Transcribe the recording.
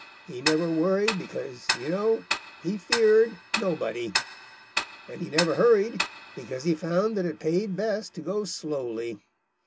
He never worried, because, you know, he feared nobody. And he never hurried, because he found that it paid best to go slowly.